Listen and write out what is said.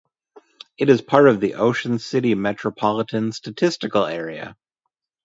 It is part of the Ocean City Metropolitan Statistical Area.